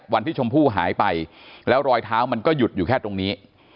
วันที่ชมพู่หายไปแล้วรอยเท้ามันก็หยุดอยู่แค่ตรงนี้